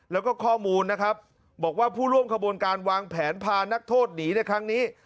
แล้วก็ข้อมูลนะครับบอกว่าผู้ร่วมขบวนการวางแผนพานักโทษหนีในครั้งนี้